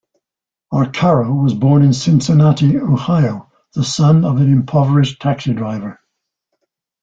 Arcaro was born in Cincinnati, Ohio, the son of an impoverished taxi driver.